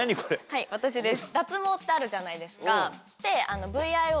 はい私です。